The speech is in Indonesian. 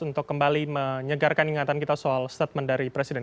untuk kembali menyegarkan ingatan kita soal statement dari presiden